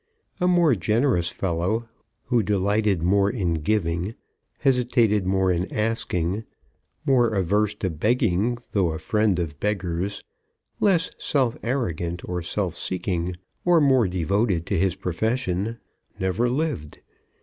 A more generous fellow, who delighted more in giving, hesitated more in asking, more averse to begging though a friend of beggars, less self arrogant, or self seeking, or more devoted to his profession, never lived.